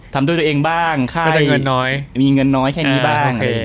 ทำด้วยตัวเองบ้างมีเงินน้อยแค่นี้บ้าง